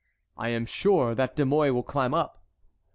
I am sure that De Mouy will climb up."